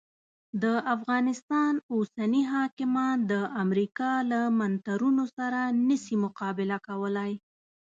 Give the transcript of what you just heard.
د افغانستان اوسني حاکمان د امریکا له منترونو سره نه سي مقابله کولای.